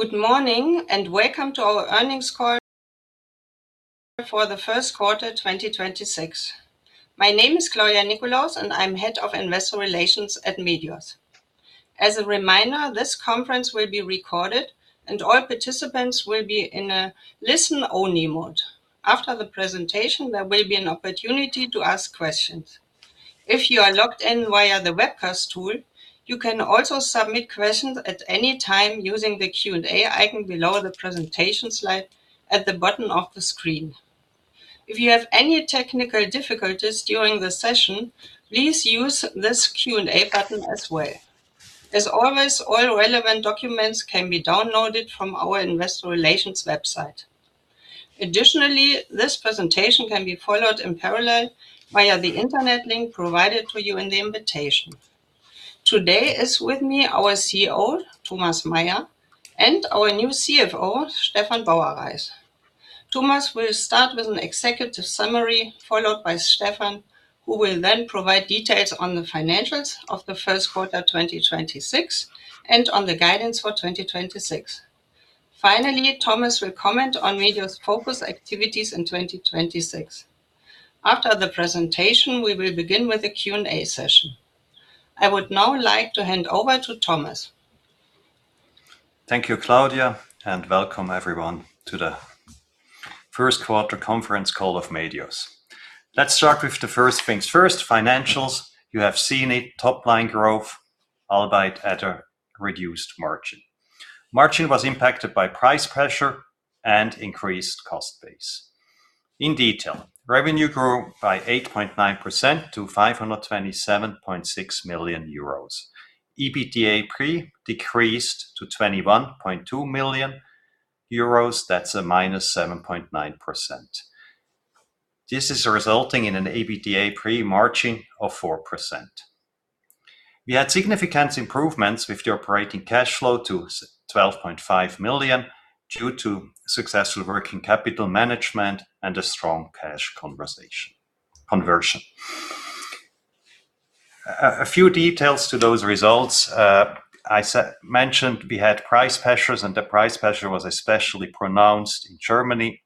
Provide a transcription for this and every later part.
Good morning, welcome to our earnings call for the first quarter 2026. My name is Claudia Nickolaus, and I'm Head of Investor Relations at Medios. As a reminder, this conference will be recorded and all participants will be in a listen only mode. After the presentation, there will be an opportunity to ask questions. If you are logged in via the webcast tool, you can also submit questions at any time using the Q&A icon below the presentation slide at the bottom of the screen. If you have any technical difficulties during the session, please use this Q&A button as well. As always, all relevant documents can be downloaded from our Investor Relations website. Additionally, this presentation can be followed in parallel via the internet link provided for you in the invitation. Today is with me our CEO, Thomas Meier, and our new CFO, Stefan Bauerreis. Thomas will start with an executive summary, followed by Stefan, who will then provide details on the financials of the first quarter 2026 and on the guidance for 2026. Finally, Thomas will comment on Medios focus activities in 2026. After the presentation, we will begin with a Q&A session. I would now like to hand over to Thomas. Thank you, Claudia, and welcome everyone to the first quarter conference call of Medios. Let's start with the first things first, financials. You have seen it, top line growth, albeit at a reduced margin. Margin was impacted by price pressure and increased cost base. In detail, revenue grew by 8.9% to 527.6 million euros. EBITDA pre decreased to 21.2 million euros. That's a -7.9%. This is resulting in an EBITDA pre-margin of 4%. We had significant improvements with the operating cash flow to 12.5 million due to successful working capital management and a strong cash conversion. A few details to those results. I mentioned we had price pressures, and the price pressure was especially pronounced in Germany,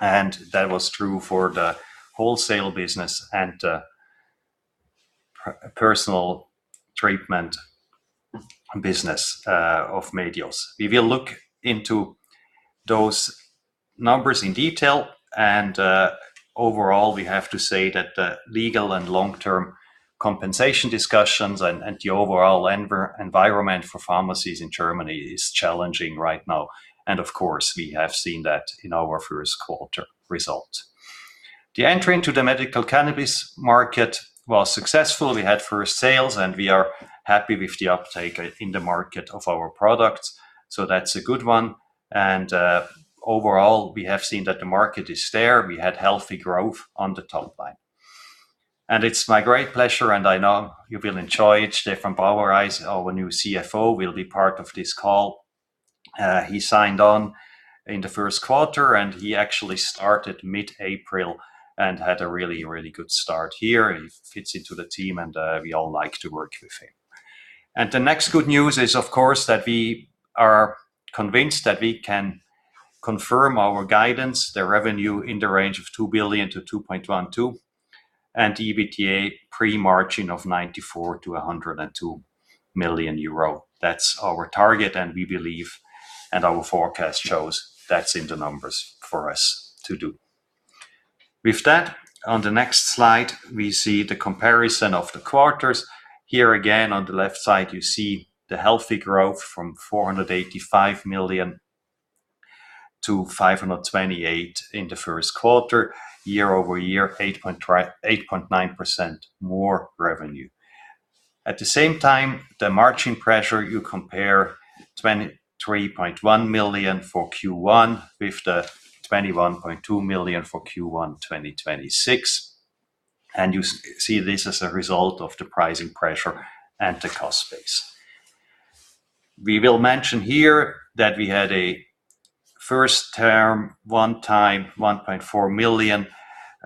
and that was true for the Wholesale business and personal treatment business of Medios. We will look into those numbers in detail and, overall, we have to say that the legal and long-term compensation discussions and the overall environment for pharmacies in Germany is challenging right now. Of course, we have seen that in our first quarter result. The entry into the medical cannabis market was successful. We had first sales, and we are happy with the uptake in the market of our products, so that's a good one. Overall, we have seen that the market is there. We had healthy growth on the top line. It's my great pleasure, and I know you will enjoy it, Stefan Bauerreis, our new CFO, will be part of this call. He signed on in the first quarter, and he actually started mid-April and had a really good start here, and he fits into the team and we all like to work with him. The next good news is, of course, that we are convinced that we can confirm our guidance, the revenue in the range of 2 billion-2.12 billion and EBITDA pre-margin of 94 million-102 million euro. That's our target, and we believe and our forecast shows that's in the numbers for us to do. With that, on the next slide, we see the comparison of the quarters. Here again, on the left side, you see the healthy growth from 485 million to 528 million in the first quarter, year-over-year, 8.9% more revenue. At the same time, the margin pressure, you compare 23.1 million for Q1 with the 21.2 million for Q1 2026, and you see this as a result of the pricing pressure and the cost base. We will mention here that we had a first term one time 1.4 million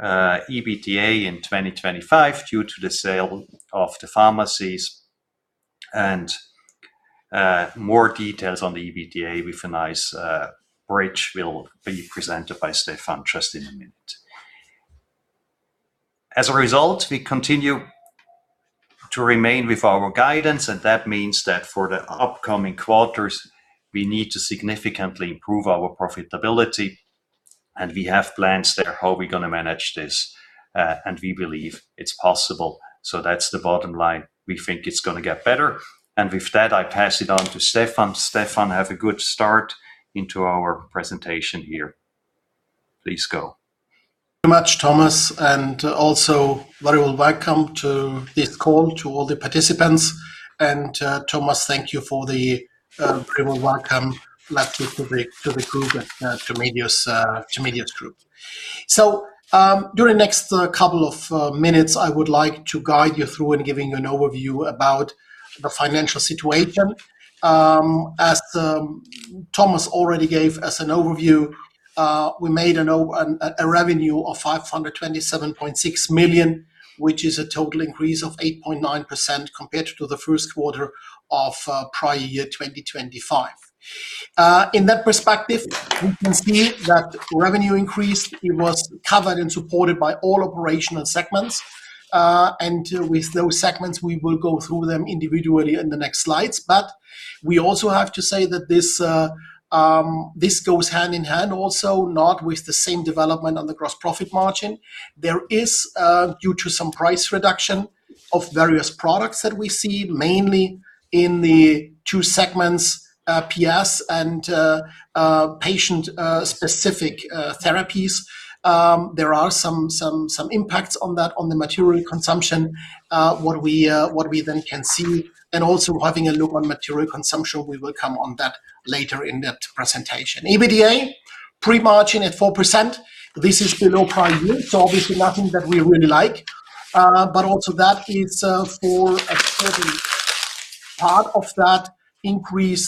EBITDA in 2025 due to the sale of the pharmacies and more details on the EBITDA with a nice bridge will be presented by Stefan just in a minute. As a result, we continue to remain with our guidance, and that means that for the upcoming quarters, we need to significantly improve our profitability, and we have plans there how we're gonna manage this, and we believe it's possible. That's the bottom line. We think it's gonna get better. With that, I pass it on to Stefan. Stefan, have a good start into our presentation here. Please go. Much, Thomas, very well welcome to this call to all the participants. Thomas, thank you for the very well welcome lately to Medios Group. During next couple of minutes, I would like to guide you through in giving an overview about the financial situation. As Thomas already gave us an overview. We made a revenue of 527.6 million, which is a total increase of 8.9% compared to the first quarter of prior year 2025. In that perspective, we can see that revenue increase, it was covered and supported by all operational segments. With those segments, we will go through them individually in the next slides. We also have to say that this goes hand in hand also not with the same development on the gross profit margin. There is due to some price reduction of various products that we see mainly in the two segments, PS and Patient-Specific Therapies. There are some impacts on that, on the material consumption, what we then can see. Also having a look on material consumption, we will come on that later in that presentation. EBITDA pre-margin at 4%. This is below prior year, obviously nothing that we really like. Also that is for a certain part of that increase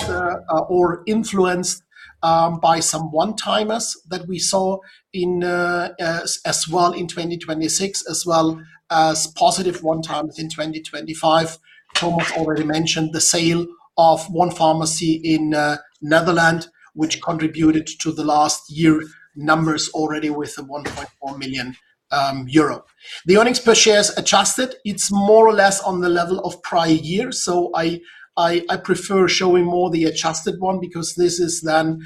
or influenced by some one-timers that we saw as well in 2026, as well as positive one-timers in 2025. Thomas already mentioned the sale of one pharmacy in Netherlands, which contributed to the last year numbers already with 1.4 million euro. The earnings per share is adjusted. It's more or less on the level of prior year. I prefer showing more the adjusted one because this is then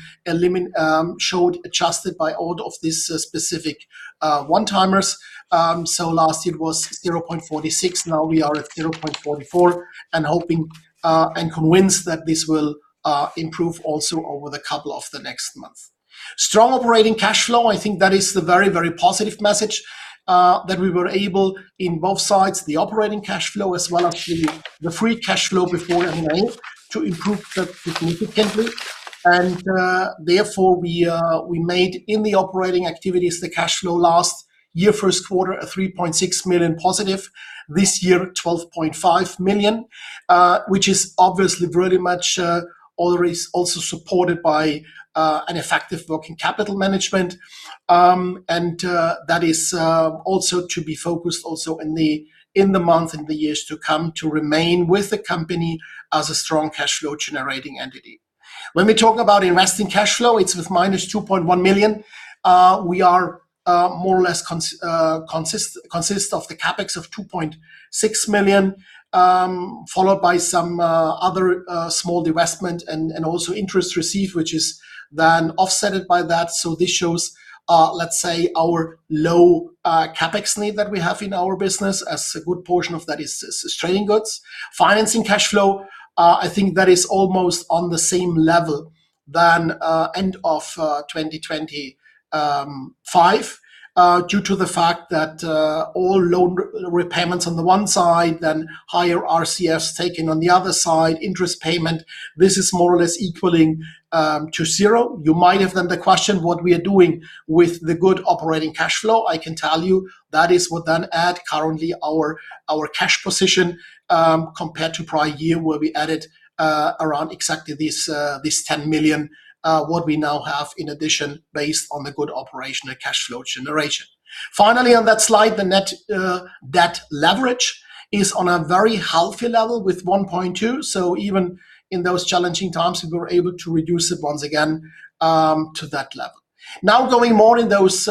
showed adjusted by all of this specific one-timers. Last year it was 0.46, now we are at 0.44 and hoping and convinced that this will improve also over the couple of the next months. Strong operating cash flow, I think that is the very, very positive message that we were able in both sides, the operating cash flow as well as the free cash flow before any move to improve that significantly. Therefore, we made in the operating activities the cash flow last year first quarter +3.6 million. This year 12.5 million, which is obviously very much always also supported by an effective working capital management. That is also to be focused also in the month and the years to come to remain with the company as a strong cash flow generating entity. When we talk about investing cash flow, it's with -2.1 million. We are more or less consists of the CapEx of 2.6 million, followed by some other small divestment and also interest received, which is then offsetted by that. This shows, let's say, our low CapEx need that we have in our business as a good portion of that is trading goods. Financing cash flow, I think that is almost on the same level than end of 2025, due to the fact that all loan repayments on the one side, then higher RCF taken on the other side, interest payment. This is more or less equaling to zero. You might have then the question what we are doing with the good operating cash flow. I can tell you that is what then add currently our cash position compared to prior year where we added around exactly this 10 million what we now have in addition based on the good operational cash flow generation. Finally, on that slide, the net debt leverage is on a very healthy level with 1.2. Even in those challenging times, we were able to reduce it once again to that level. Now going more in those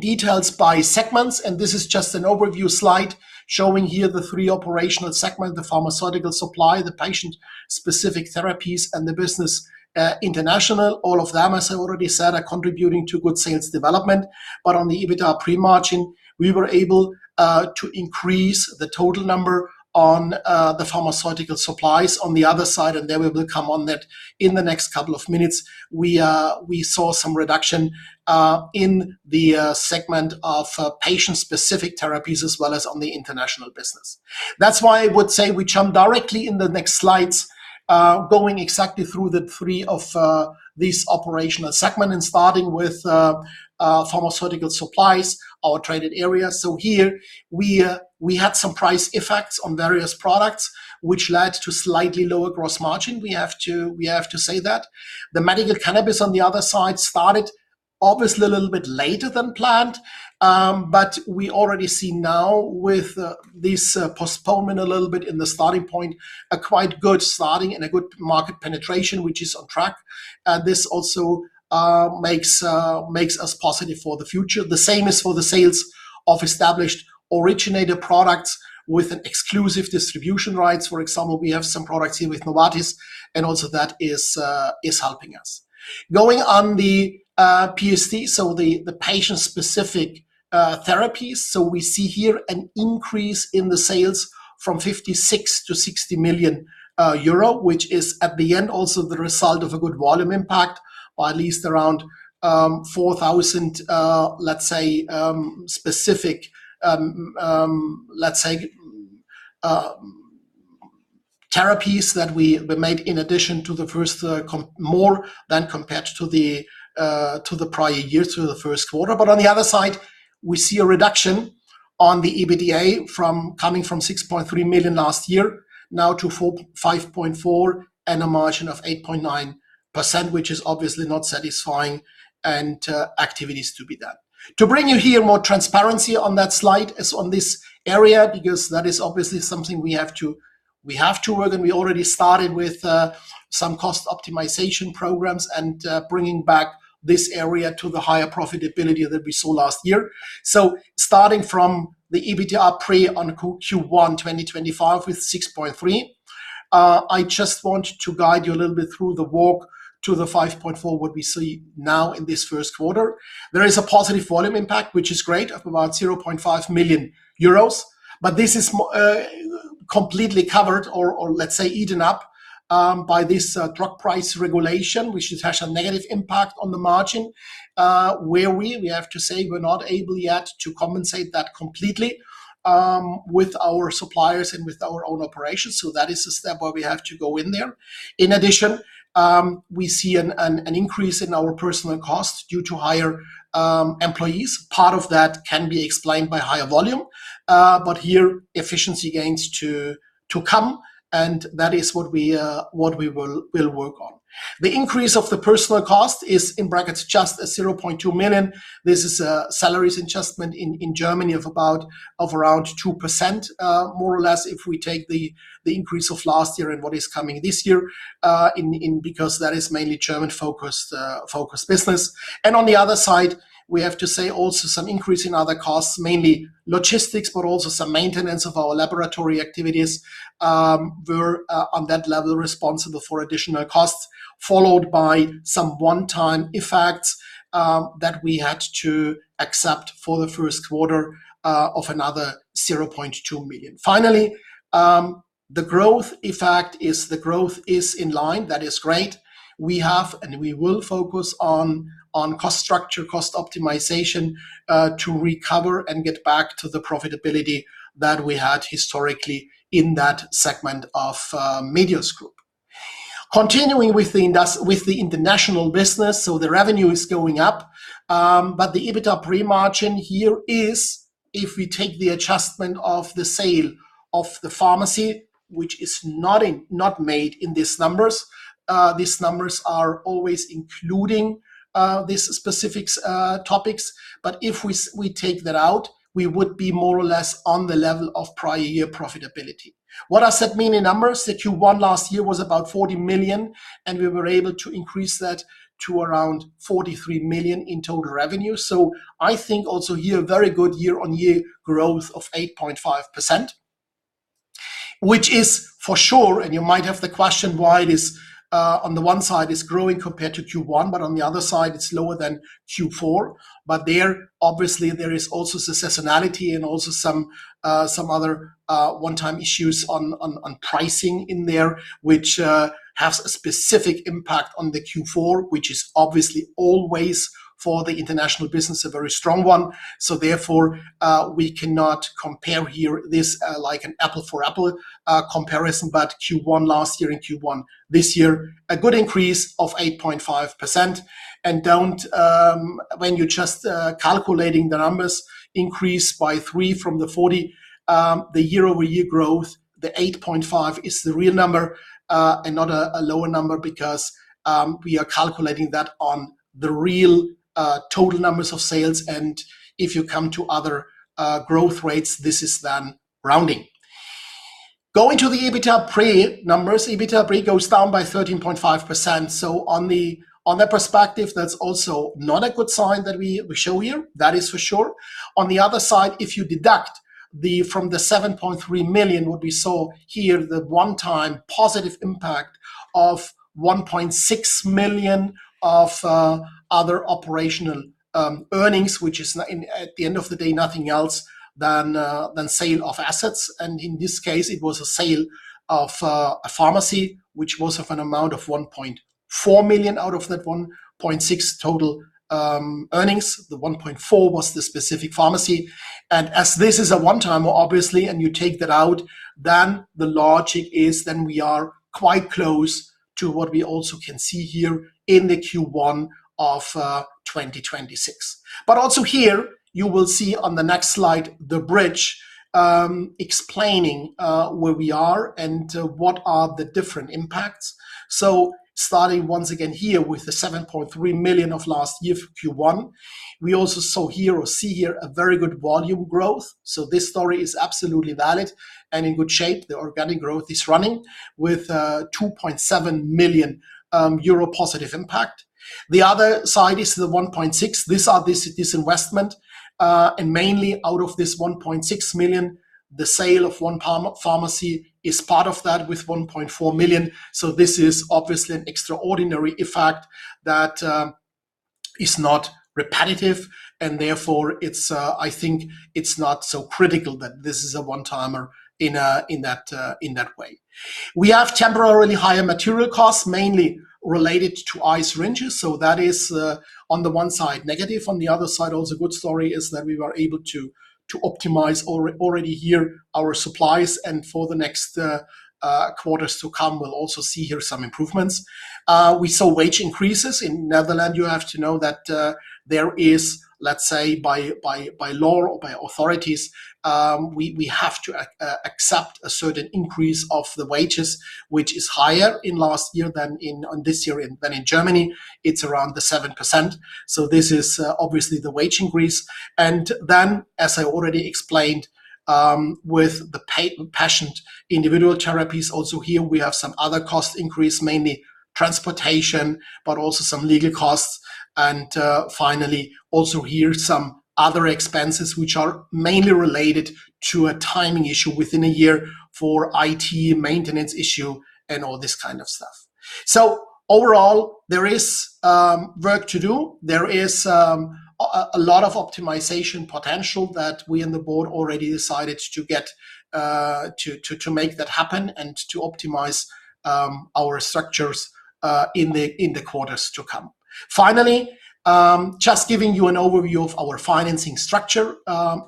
details by segments, this is just an overview slide showing here the three operational segment, the Pharmaceutical Supply, the Patient-Specific Therapies, and the Business International. All of them, as I already said, are contributing to good sales development. On the EBITDA pre-margin, we were able to increase the total number on the Pharmaceutical Supply on the other side, and then we will come on that in the next couple of minutes. We saw some reduction in the segment of Patient-Specific Therapies as well as on the International Business. That's why I would say we jump directly in the next slides, going exactly through the three of these operational segment and starting with Pharmaceutical Supply, our traded area. Here we had some price effects on various products, which led to slightly lower gross margin. We have to say that. The medical cannabis on the other side started obviously a little bit later than planned, we already see now with this postponement a little bit in the starting point, a quite good starting and a good market penetration, which is on track. This also makes us positive for the future. The same is for the sales of established originator products with an exclusive distribution rights. For example, we have some products here with Novartis, also that is helping us. Going on the PST, so the Patient-Specific Therapies. We see here an increase in the sales from 56 to 60 million euro, which is at the end also the result of a good volume impact by at least around 4,000, let's say, specific therapies that we made in addition to the first more than compared to the prior year through the first quarter. On the other side, we see a reduction on the EBITDA from, coming from 6.3 million last year now to 5.4 million and a margin of 8.9%, which is obviously not satisfying and activities to be done. To bring you here more transparency on that slide is on this area, because that is obviously something we have to work, and we already started with some cost optimization programs and bringing back this area to the higher profitability that we saw last year. Starting from the EBITDA pre on Q1 2025 with 6.3%, I just want to guide you a little bit through the walk to the 5.4% what we see now in this first quarter. There is a positive volume impact, which is great, of about 0.5 million euros. This is completely covered or let's say eaten up by this drug price regulation, which has had a negative impact on the margin, where we have to say we're not able yet to compensate that completely with our suppliers and with our own operations. That is a step where we have to go in there. In addition, we see an increase in our personal costs due to higher employees. Part of that can be explained by higher volume. Here efficiency gains to come, and that is what we will work on. The increase of the personal cost is, in brackets, just 0.2 million. This is a salaries adjustment in Germany of around 2% more or less if we take the increase of last year and what is coming this year because that is mainly German-focused business. On the other side, we have to say also some increase in other costs, mainly logistics, but also some maintenance of our laboratory activities were on that level responsible for additional costs, followed by some one-time effects that we had to accept for the first quarter of another 0.2 million. Finally, the growth effect, the growth is in line. That is great. We have and we will focus on cost structure, cost optimization to recover and get back to the profitability that we had historically in that segment of Medios Group. Continuing with the international business, so the revenue is going up, but the EBITDA pre-margin here is if we take the adjustment of the sale of the pharmacy, which is not in, not made in these numbers. These numbers are always including these specifics topics. If we take that out, we would be more or less on the level of prior year profitability. What are said meaning numbers? The Q1 last year was about 40 million, and we were able to increase that to around 43 million in total revenue. I think also here very good year-over-year growth of 8.5%, which is for sure, and you might have the question why it is on the one side is growing compared to Q1, but on the other side, it's lower than Q4. There, obviously there is also seasonality and also some other, one-time issues on, on pricing in there, which has a specific impact on the Q4, which is obviously always for the international business a very strong one. Therefore, we cannot compare here this, like an apple for apple, comparison, but Q1 last year and Q1 this year, a good increase of 8.5%. Don't, when you're just calculating the numbers, increase by 3 from the 40, the year-over-year growth, the 8.5% is the real number, and not a lower number because we are calculating that on the real, total numbers of sales. If you come to other, growth rates, this is then rounding. Going to the EBITDA pre numbers, EBITDA pre goes down by 13.5%. On that perspective, that's also not a good sign that we show here. That is for sure. On the other side, if you deduct the, from the 7.3 million what we saw here, the one-time positive impact of 1.6 million of other operational earnings, which is at the end of the day nothing else than sale of assets. In this case, it was a sale of a pharmacy, which was of an amount of 1.4 million out of that 1.6 million total earnings. The 1.4 million was the specific pharmacy. As this is a one-timer, obviously, and you take that out, then the logic is then we are quite close to what we also can see here in the Q1 of 2026. Also here you will see on the next slide the bridge, explaining where we are and what are the different impacts. Starting once again here with the 7.3 million of last year, Q1, we also saw here or see here a very good volume growth. This story is absolutely valid and in good shape. The organic growth is running with +2.7 million euro impact. The other side is the 1.6 million. These are this investment, and mainly out of this 1.6 million, the sale of one pharmacy is part of that with 1.4 million. This is obviously an extraordinary effect that is not repetitive and therefore it's, I think, not so critical that this is a one-timer in that way. We have temporarily higher material costs, mainly related to eye syringes. That is on the one side negative. On the other side, also a good story is that we were able to optimize already here our supplies and for the next quarters to come, we'll also see here some improvements. We saw wage increases. In Netherlands, you have to know that there is, let's say, by law or by authorities, we have to accept a certain increase of the wages, which is higher in last year than in, on this year in, than in Germany. It's around the 7%. This is obviously the wage increase. As I already explained, with the Patient-Specific Therapies also here we have some other cost increase, mainly transportation, but also some legal costs. Finally, also here some other expenses which are mainly related to a timing issue within a year for IT maintenance issue and all this kind of stuff. Overall, there is work to do. There is a lot of optimization potential that we in the board already decided to get to make that happen and to optimize our structures in the quarters to come. Finally, just giving you an overview of our financing structure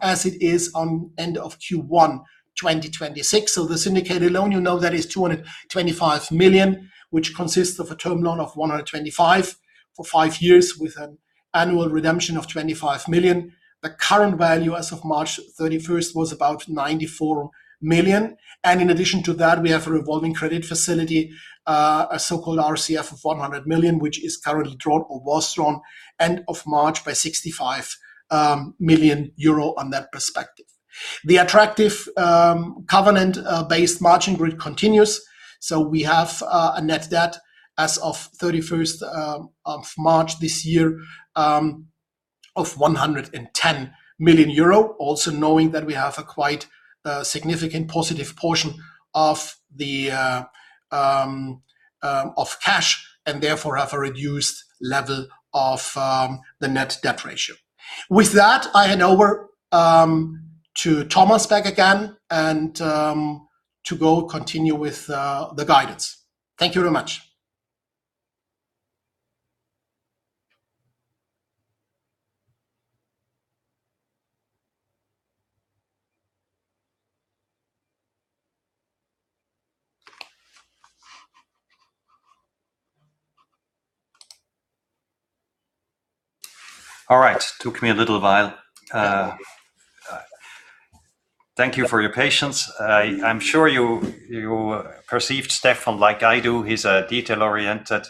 as it is on end of Q1 2026. The syndicated loan, you know that is 225 million, which consists of a term loan of 125 million for five years with an annual redemption of 25 million. The current value as of 31st March was about 94 million. In addition to that, we have a revolving credit facility, a so-called RCF of 100 million, which is currently drawn or was drawn end of March by 65 million euro on that perspective. The attractive covenant based margin grid continues. We have a net debt as of 31st March this year of 110 million euro. Also knowing that we have a quite significant positive portion of the cash, and therefore have a reduced level of the net debt ratio. With that, I hand over to Thomas back again and to go continue with the guidance. Thank you very much. Took me a little while. Thank you for your patience. I'm sure you perceived Stefan like I do. He's a detail-oriented.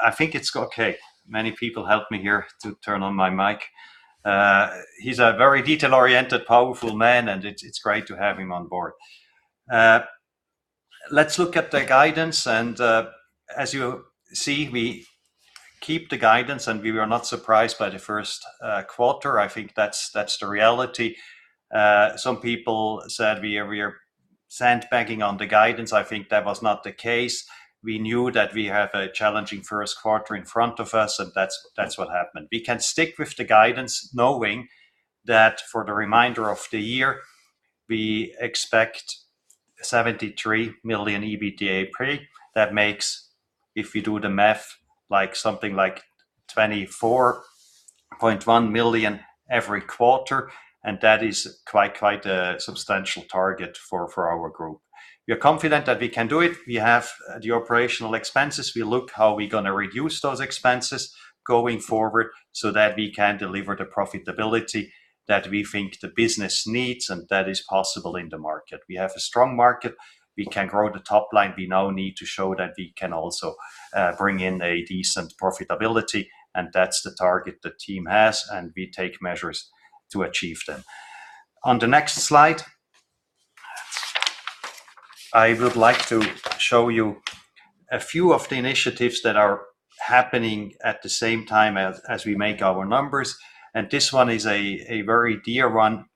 I think it's okay. Many people helped me here to turn on my mic. He's a very detail-oriented, powerful man, and it's great to have him on board. Let's look at the guidance. As you see, we keep the guidance, and we were not surprised by the first quarter. I think that's the reality. Some people said we are sandbagging on the guidance. I think that was not the case. We knew that we have a challenging first quarter in front of us. That's what happened. We can stick with the guidance knowing that for the remainder of the year, we expect 73 million EBITDA pre. That makes, if you do the math, something like 24.1 million every quarter, and that is quite a substantial target for our group. We are confident that we can do it. We have the operational expenses. We look how we're going to reduce those expenses going forward so that we can deliver the profitability that we think the business needs and that is possible in the market. We have a strong market. We can grow the top line. We now need to show that we can also bring in a decent profitability, and that's the target the team has, and we take measures to achieve them. On the next slide, I would like to show you a few of the initiatives that are happening at the same time as we make our numbers. This one is a very dear one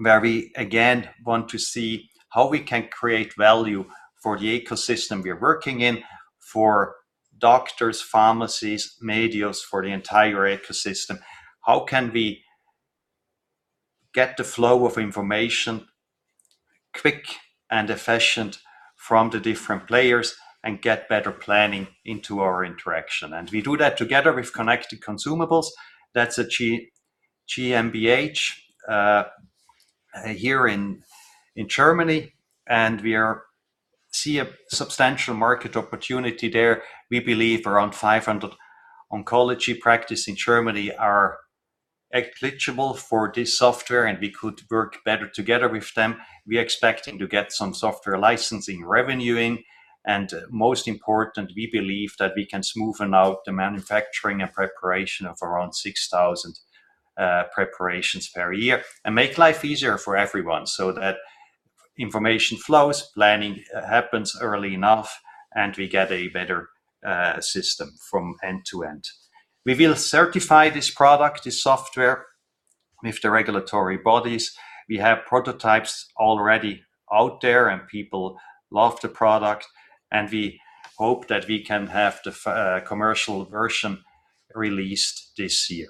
where we again want to see how we can create value for the ecosystem we are working in for doctors, pharmacies, Medios, for the entire ecosystem. How can we get the flow of information quick and efficient from the different players and get better planning into our interaction? We do that together with Connected Consumables. That's a GmbH here in Germany, we are see a substantial market opportunity there. We believe around 500 oncology practice in Germany are eligible for this software, we could work better together with them. We're expecting to get some software licensing revenue in. Most important, we believe that we can smoothen out the manufacturing and preparation of around 6,000 preparations per year and make life easier for everyone so that information flows, planning happens early enough. We get a better system from end to end. We will certify this product, this software with the regulatory bodies. We have prototypes already out there. People love the product. We hope that we can have the commercial version released this year.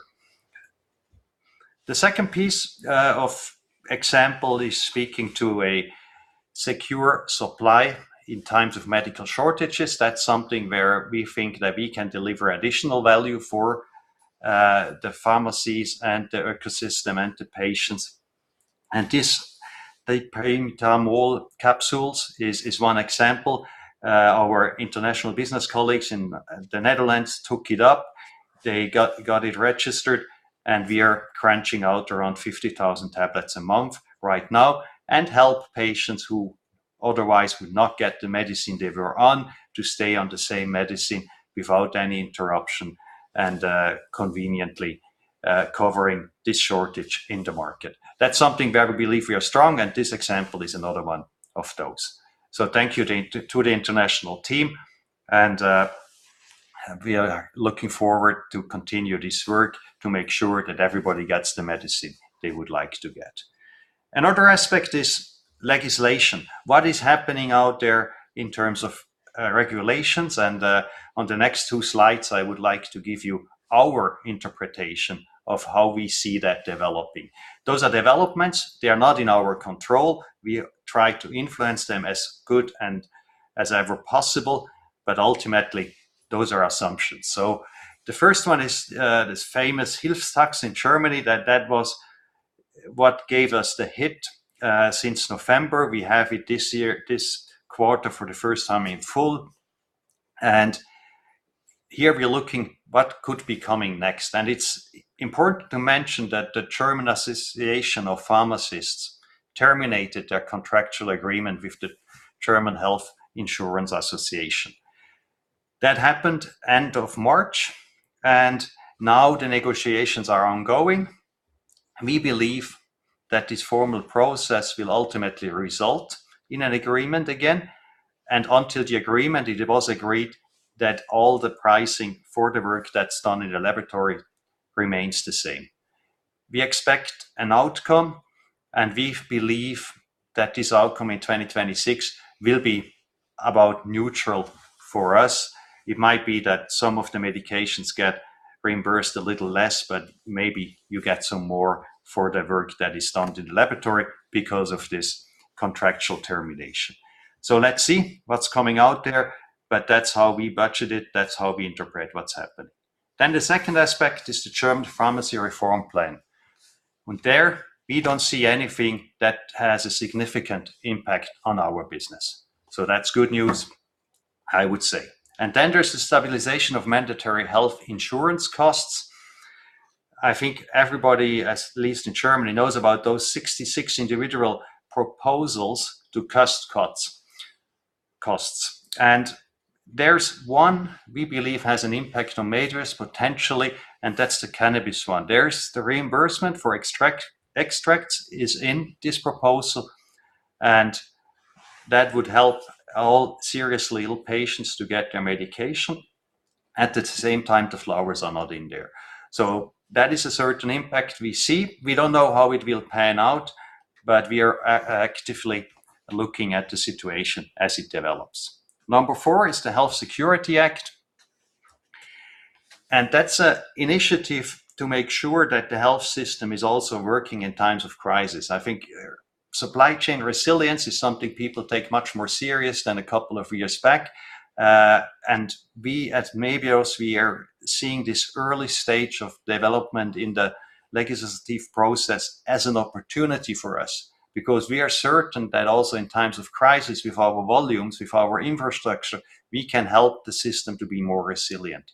The second piece of example is speaking to a secure supply in times of medical shortages. That's something where we think that we can deliver additional value for the pharmacies and the ecosystem and the patients. This, the paracetamol is one example. Our international business colleagues in the Netherlands took it up. They got it registered, and we are crunching out around 50,000 tablets a month right now and help patients who otherwise would not get the medicine they were on to stay on the same medicine without any interruption and conveniently covering this shortage in the market. That's something where we believe we are strong, and this example is another one of those. Thank you to the international team, and we are looking forward to continue this work to make sure that everybody gets the medicine they would like to get. Another aspect is legislation. What is happening out there in terms of regulations and on the next two slides, I would like to give you our interpretation of how we see that developing. Those are developments. They are not in our control. We try to influence them as good and as ever possible, but ultimately, those are assumptions. The first one is, this famous Hilfstaxe in Germany, that was what gave us the hit, since November. We have it this year, this quarter for the first time in full. Here we're looking what could be coming next. It's important to mention that the German Association of Pharmacists terminated their contractual agreement with the German Health Insurance Association. That happened end of March, and now the negotiations are ongoing. We believe that this formal process will ultimately result in an agreement again. Until the agreement, it was agreed that all the pricing for the work that's done in the laboratory remains the same. We expect an outcome, and we believe that this outcome in 2026 will be about neutral for us. It might be that some of the medications get reimbursed a little less, but maybe you get some more for the work that is done in the laboratory because of this contractual termination. Let's see what's coming out there, but that's how we budget it. That's how we interpret what's happening. The second aspect is the German Pharmacy Reform Plan. There we don't see anything that has a significant impact on our business. That's good news, I would say. There's the stabilization of mandatory health insurance costs. I think everybody, at least in Germany, knows about those 66 individual proposals to cut costs. There's one we believe has an impact on Medios potentially, and that's the cannabis one. There's the reimbursement for extracts is in this proposal, that would help all seriously ill patients to get their medication. At the same time, the flowers are not in there. That is a certain impact we see. We don't know how it will pan out, we are actively looking at the situation as it develops. Number four is the Health Security Act, that's a initiative to make sure that the health system is also working in times of crisis. I think supply chain resilience is something people take much more serious than a couple of years back. We at Medios, we are seeing this early stage of development in the legislative process as an opportunity for us because we are certain that also in times of crisis with our volumes, with our infrastructure, we can help the system to be more resilient.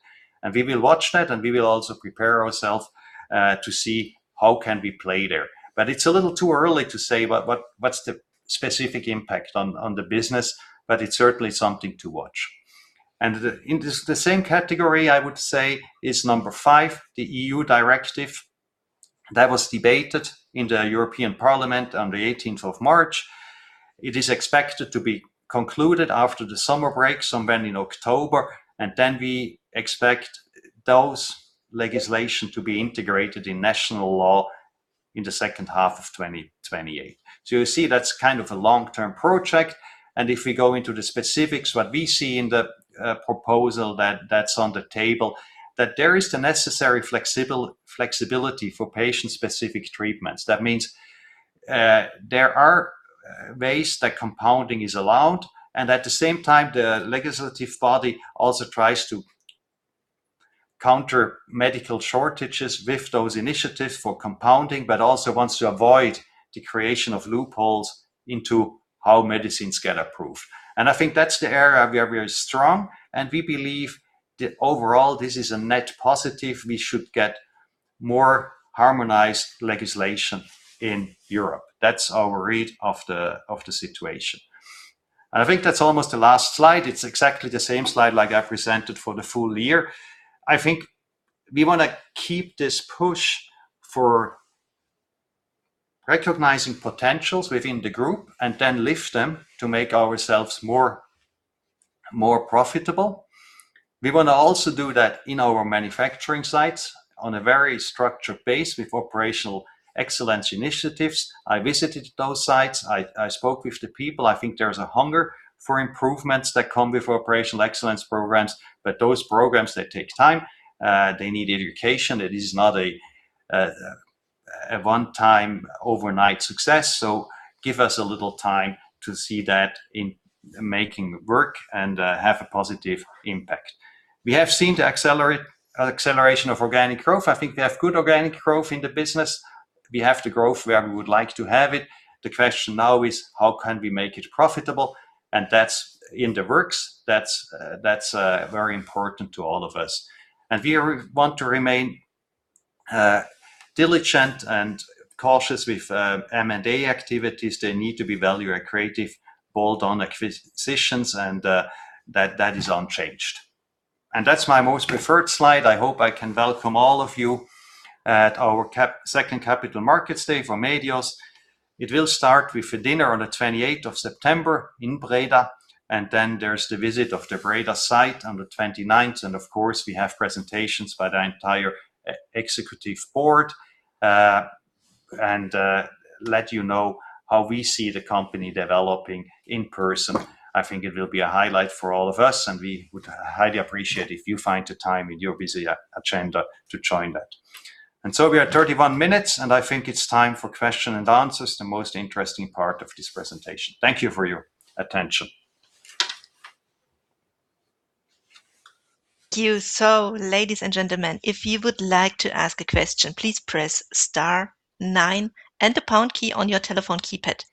We will watch that, and we will also prepare ourselves to see how can we play there. It's a little too early to say what the specific impact on the business, but it's certainly something to watch. The same category, I would say, is number five, the EU directive that was debated in the European Parliament on the 18th of March. It is expected to be concluded after the summer break, sometime in October, and then we expect those legislation to be integrated in national law in the second half of 2028. You see that's kind of a long-term project. If we go into the specifics, what we see in the proposal that's on the table, that there is the necessary flexibility for Patient-Specific Treatments. That means there are ways that compounding is allowed, and at the same time, the legislative body also tries to counter medical shortages with those initiatives for compounding, but also wants to avoid the creation of loopholes into how medicines get approved. I think that's the area where we are strong, and we believe that overall this is a net positive. We should get more harmonized legislation in Europe. That's our read of the situation. I think that's almost the last slide. It's exactly the same slide like I presented for the full year. I think we want to keep this push for recognizing potentials within the group and then lift them to make ourselves more profitable. We want to also do that in our manufacturing sites on a very structured base with operational excellence initiatives. I visited those sites. I spoke with the people. I think there's a hunger for improvements that come with operational excellence programs. Those programs, they take time. They need education. It is not a one-time overnight success. Give us a little time to see that in making work and have a positive impact. We have seen the acceleration of organic growth. I think we have good organic growth in the business. We have the growth where we would like to have it. The question now is how can we make it profitable? That's in the works. That's very important to all of us. We want to remain diligent and cautious with M&A activities. They need to be value accretive, bold on acquisitions, and that is unchanged. That's my most preferred slide. I hope I can welcome all of you at our second Capital Markets Day for Medios. It will start with a dinner on the 28th of September in Breda, then there's the visit of the Breda site on the 29th. Of course, we have presentations by the entire executive board and let you know how we see the company developing in person. I think it will be a highlight for all of us, and we would highly appreciate if you find the time in your busy agenda to join that. We are 31 minutes, and I think it's time for question and answers, the most interesting part of this presentation. Thank you for your attention. Thank you. Ladies and gentlemen, if you would like to ask a question, please press star nine and the pound key on your telephone keypad.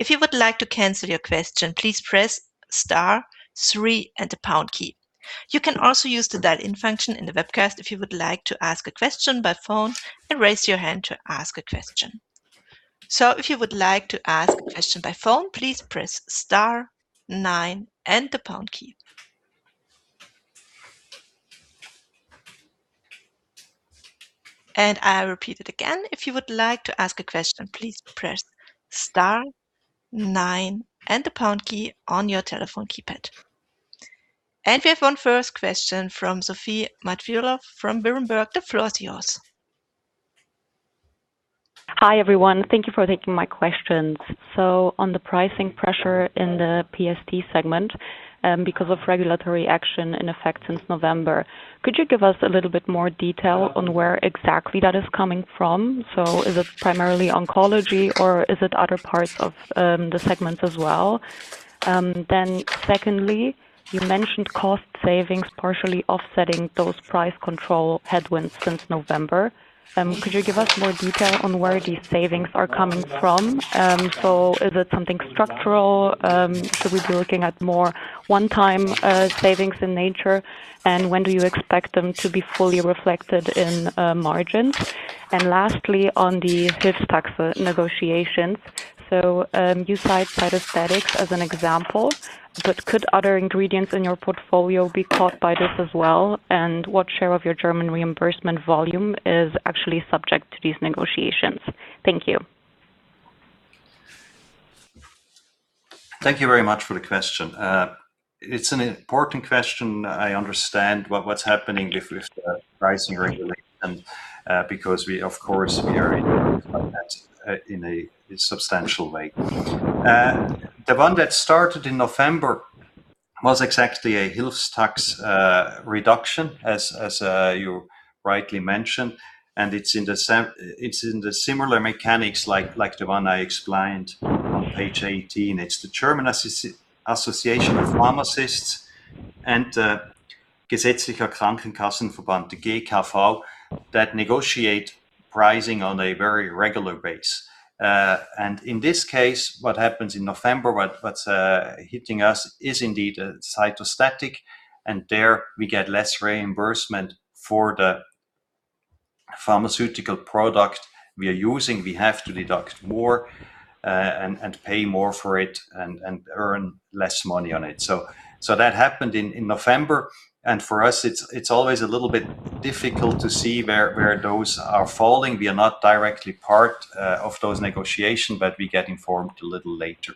If you would like to cancel your question, please press star three and the pound key. You can also use the dial-in function in the webcast if you would like to ask a question by phone and raise your hand to ask a question. If you would like to ask a question by phone, please press star nine and the pound key. I'll repeat it again. If you would like to ask a question, please press star nine and the pound key on your telephone keypad. We have first question from Sophie Mattfeld from Berenberg. The floor is yours. Hi, everyone. Thank you for taking my questions. On the pricing pressure in the PST segment, because of regulatory action in effect since November, could you give us a little bit more detail on where exactly that is coming from? Is it primarily oncology, or is it other parts of the segment as well? Secondly, you mentioned cost savings partially offsetting those price control headwinds since November. Could you give us more detail on where these savings are coming from? Is it something structural? Should we be looking at more one-time savings in nature? When do you expect them to be fully reflected in margins? Lastly, on the Hilfstaxe negotiations. You cite cytostatics as an example, but could other ingredients in your portfolio be caught by this as well? What share of your German reimbursement volume is actually subject to these negotiations? Thank you. Thank you very much for the question. It's an important question. I understand what's happening with pricing regulation because we, of course, we are impacted in a substantial way. The one that started in November was exactly a Hilfstaxe reduction, as you rightly mentioned, and it's in the similar mechanics like the one I explained on page 18. It's the German Association of Pharmacists and Gesetzliche Krankenversicherung, the GKV, that negotiate pricing on a very regular base. In this case, what happens in November, what's hitting us is indeed a cytostatic, and there we get less reimbursement for the pharmaceutical product we are using. We have to deduct more and pay more for it and earn less money on it. That happened in November. For us, it's always a little bit difficult to see where those are falling. We are not directly part of those negotiations, but we get informed a little later.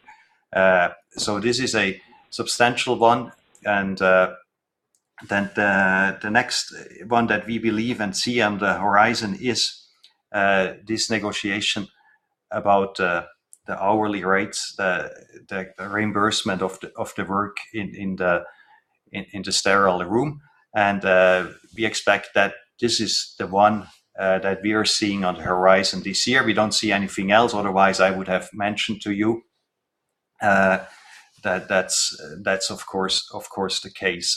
This is a substantial one. The next one that we believe and see on the horizon is this negotiation about the hourly rates, the reimbursement of the work in the sterile room. We expect that this is the one that we are seeing on the horizon this year. We don't see anything else, otherwise I would have mentioned to you that that's of course the case.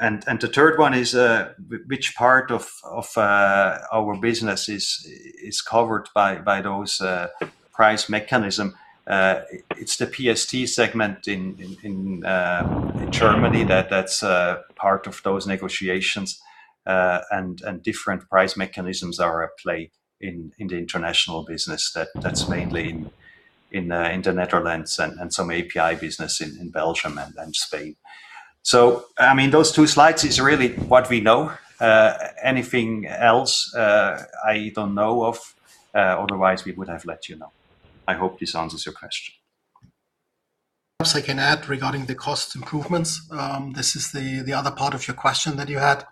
The third one is, which part of our business is covered by those price mechanism. It's the PST segment in Germany that's part of those negotiations. Different price mechanisms are at play in the international business that's mainly in the Netherlands and some API business in Belgium and Spain. I mean, those two slides is really what we know. Anything else, I don't know of, otherwise we would have let you know. I hope this answers your question. Perhaps I can add regarding the cost improvements, this is the other part of your question that you had.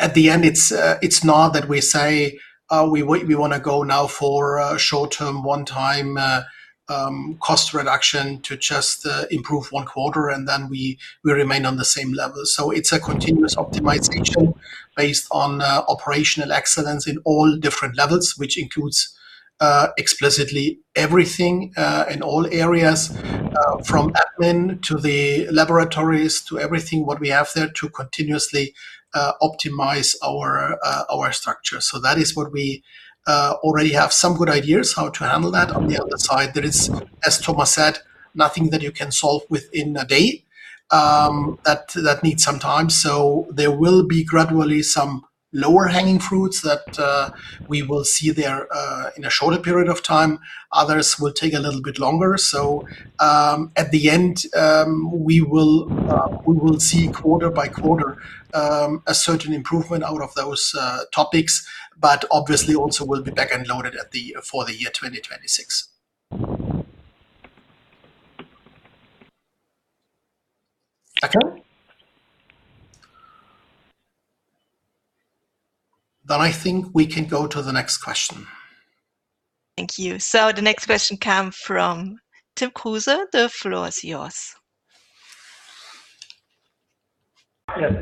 At the end, it's not that we say, "Oh, we wanna go now for short-term, one-time cost reduction to just improve one quarter, and then we remain on the same level." It's a continuous optimization based on operational excellence in all different levels, which includes explicitly everything in all areas from admin to the laboratories to everything what we have there to continuously optimize our structure. That is what we already have some good ideas how to handle that. On the other side, there is, as Thomas said, nothing that you can solve within one day. That needs some time. There will be gradually some lower-hanging fruits that we will see there in a shorter period of time. Others will take a little bit longer. At the end, we will see quarter by quarter a certain improvement out of those topics, but obviously also will be back and loaded for the year 2026. Okay. I think we can go to the next question. Thank you. The next question comes from Tim Kruse. The floor is yours. Yes,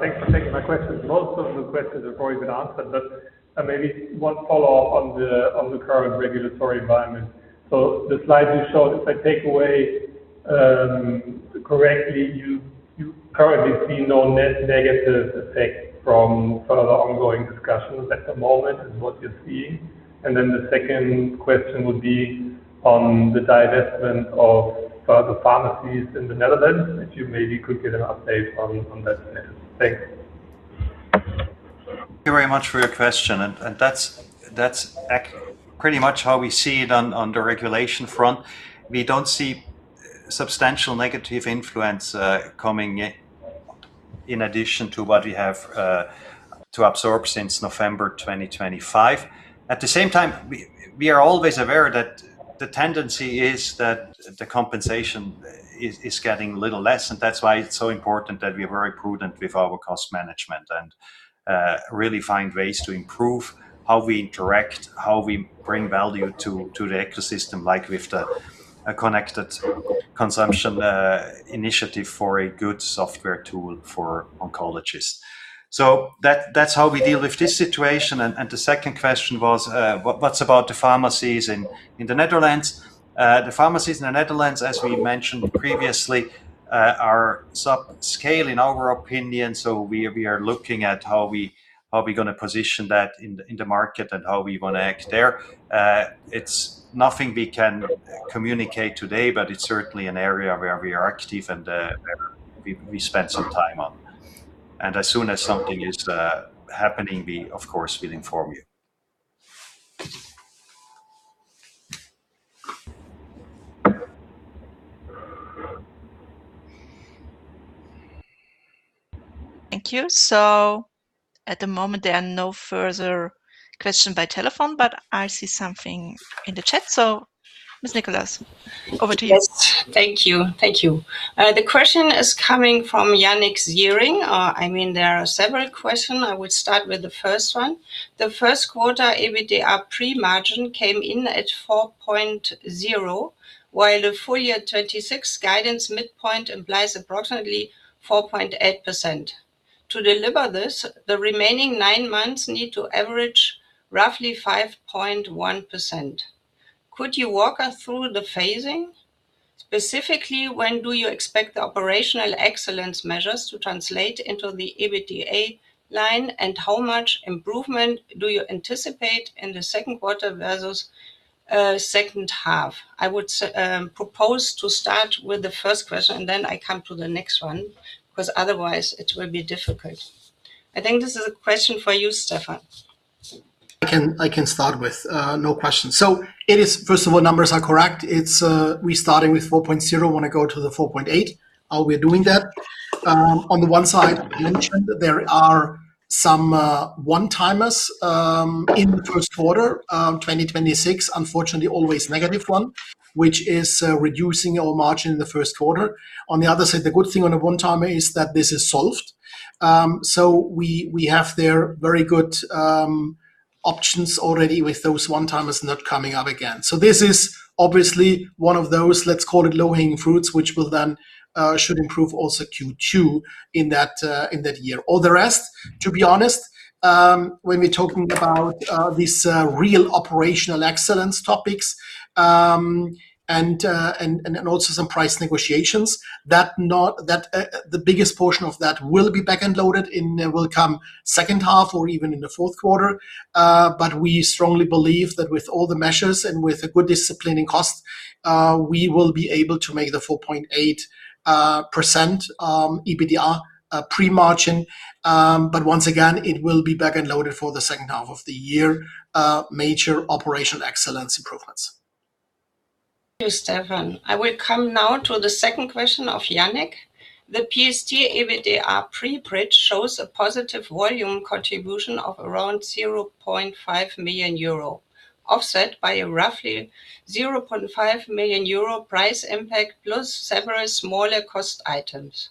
thanks for taking my question. Most of the questions have already been answered, but maybe one follow-up on the current regulatory environment. The slide you showed, if I take away correctly, you currently see no net negative effect from further ongoing discussions at the moment, is what you're seeing. The second question would be on the divestment of the pharmacies in the Netherlands, if you maybe could get an update on that. Thanks. Thank you very much for your question, that's pretty much how we see it on the regulation front. We don't see substantial negative influence coming in addition to what we have to absorb since November 2025. At the same time, we are always aware that the tendency is that the compensation is getting a little less, that's why it's so important that we are very prudent with our cost management and really find ways to improve how we interact, how we bring value to the ecosystem, like with the connected consumption initiative for a good software tool for oncologists. That's how we deal with this situation. The second question was, what's about the pharmacies in the Netherlands? The pharmacies in the Netherlands, as we mentioned previously, are subscale in our opinion. We are looking at how we are going to position that in the market and how we want to act there. It's nothing we can communicate today, but it's certainly an area where we are active and where we spend some time on. As soon as something is happening, we of course will inform you. Thank you. At the moment, there are no further question by telephone, but I see something in the chat. Ms. Nickolaus, over to you. Yes. Thank you. Thank you. The question is coming from Yannick Ziering. I mean, there are several question. I would start with the first one. The first quarter EBITDA pre-margin came in at 4.0%, while the full year 2026 guidance midpoint implies approximately 4.8%. To deliver this, the remaining nine months need to average roughly 5.1%. Could you walk us through the phasing? Specifically, when do you expect the operational excellence measures to translate into the EBITDA line, and how much improvement do you anticipate in the second quarter versus second half? I would propose to start with the first question, then I come to the next one, because otherwise it will be difficult. I think this is a question for you, Stefan. I can start with no question. First of all, numbers are correct. It's we starting with 4.0%, wanna go to the 4.8%, how we are doing that. On the one side, I mentioned there are some one-timers in the first quarter 2026, unfortunately, always negative one, which is reducing our margin in the first quarter. On the other side, the good thing on a one-timer is that this is solved. We have there very good options already with those one-timers not coming up again. This is obviously one of those, let's call it low-hanging fruits, which will then should improve also Q2 in that year. All the rest, to be honest, when we're talking about these real operational excellence topics, and also some price negotiations, the biggest portion of that will be back-end loaded in, will come second half or even in the fourth quarter. We strongly believe that with all the measures and with a good disciplining cost, we will be able to make the 4.8% EBITDA pre-margin. Once again, it will be back-end loaded for the second half of the year, major operational excellence improvements. Thank you, Stefan. I will come now to the second question of Yannick. The PST EBITDA pre-bridge shows a positive volume contribution of around 0.5 million euro, offset by a roughly 0.5 million euro price impact plus several smaller cost items.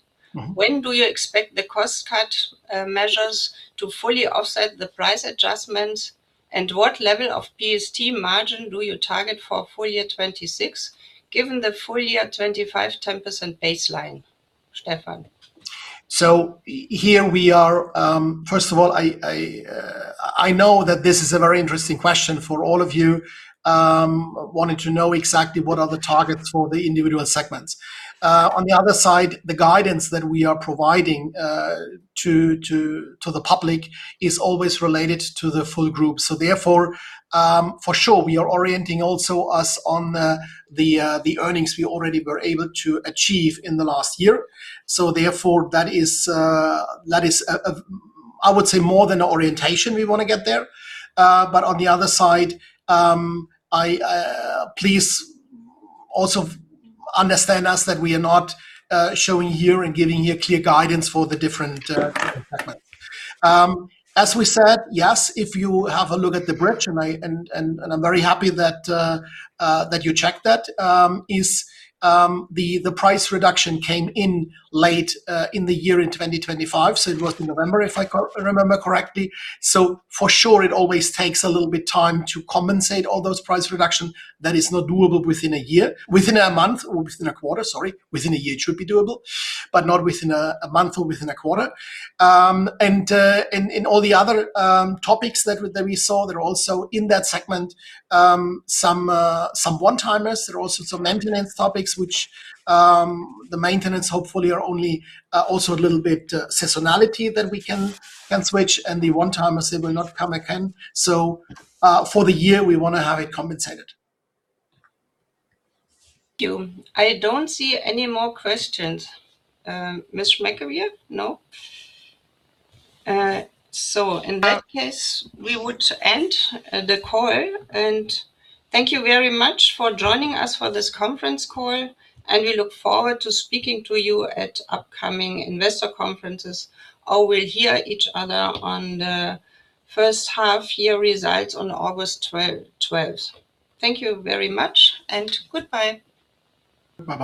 When do you expect the cost cut measures to fully offset the price adjustments? What level of PST margin do you target for full year 2026, given the full year 2025 10% baseline? Stefan. Here we are. First of all, I know that this is a very interesting question for all of you, wanting to know exactly what are the targets for the individual segments. On the other side, the guidance that we are providing to the public is always related to the full group. Therefore, for sure, we are orienting also us on the earnings we already were able to achieve in the last year. Therefore, that is, that is, I would say more than orientation we wanna get there. On the other side, I please also understand us that we are not showing here and giving here clear guidance for the different segments. As we said, yes, if you have a look at the bridge, and I'm very happy that you checked that, is the price reduction came in late in the year in 2025, so it was in November, if I remember correctly. For sure, it always takes a little bit time to compensate all those price reduction. That is not doable within a month or within a quarter, sorry. Within a year, it should be doable, but not within a month or within a quarter. All the other topics that we, that we saw, they're also in that segment, some one-timers. There are also some maintenance topics which, the maintenance hopefully are only, also a little bit, seasonality that we can switch, and the one-timers, they will not come again. For the year, we wanna have it compensated. Thank you. I don't see any more questions. Ms. Schmecker, you? No? In that case, we would end the call. Thank you very much for joining us for this conference call, and we look forward to speaking to you at upcoming investor conferences, or we'll hear each other on the first half year results on August 12th. Thank you very much, and goodbye. Goodbye.